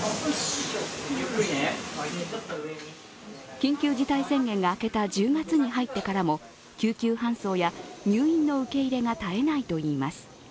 緊急事態宣言が明けた１０月に入ってからも救急搬送や入院の受け入れが絶えないといいます。